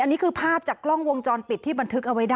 อันนี้คือภาพจากกล้องวงจรปิดที่บันทึกเอาไว้ได้